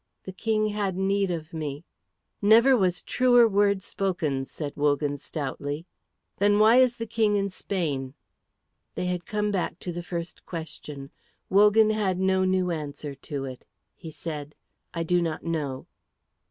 The King had need of me." "Never was truer word spoken," said Wogan, stoutly. "Then why is the King in Spain?" They had come back to the first question. Wogan had no new answer to it. He said, "I do not know."